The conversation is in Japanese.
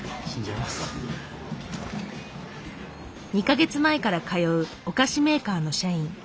２か月前から通うお菓子メーカーの社員。